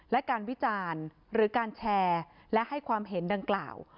และการวิจารณ์หรือการแชร์และให้ความเห็นดังกล่าว